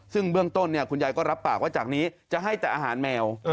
ซึ่งเบื้องต้นคุณยายก็รับปากว่าจากนี้จะให้แต่อาหารแมว